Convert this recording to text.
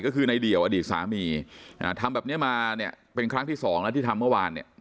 ก็คือในเดี่ยวอดีตสามีทำแบบเนี้ยมาเนี่ยเป็นครั้งที่สองแล้วที่ทำเมื่อวานเนี่ย